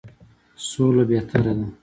سوله بهتره ده.